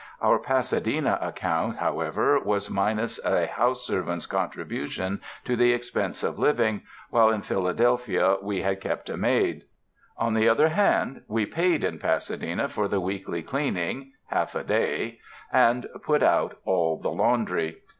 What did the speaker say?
Our Pasadena account, however, was minus a house servant's contribution to the expense of living, while in Philadelphia we had kept a maid. On the other hand, we paid in Pasadena for the weekly cleaning — half a day — and 242 RESIDENCE IN THE LAND OF SUNSHINE put out all the laundry.